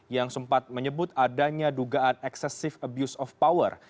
yang sempat menyebut adanya dugaan excessive abuse of power